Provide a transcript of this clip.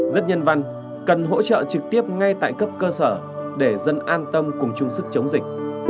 rất nhân văn cần hỗ trợ trực tiếp ngay tại cấp cơ sở để dân an tâm cùng chung sức chống dịch